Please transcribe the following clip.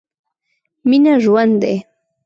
مينه ژوند دی.